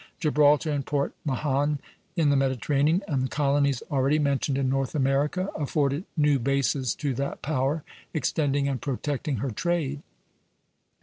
Gibraltar and Port Mahon in the Mediterranean, and the colonies already mentioned in North America, afforded new bases to that power, extending and protecting her trade.